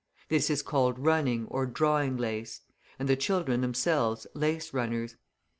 This is called running or drawing lace, and the children themselves lace runners.